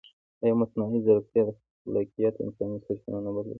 ایا مصنوعي ځیرکتیا د خلاقیت انساني سرچینه نه بدلوي؟